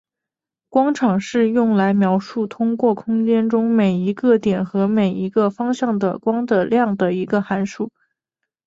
光场是用来描述通过空间中每一个点和每一个方向的光的量的一个函数。